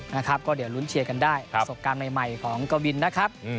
นะครับก็เดี๋ยวลุ้นเชียร์กันได้ประสบการณ์ใหม่ของกวินนะครับ